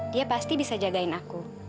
dia pasti bisa jagain aku